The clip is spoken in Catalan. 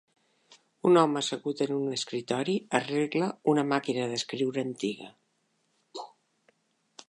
Un home assegut en un escriptori arregla una màquina d'escriure antiga.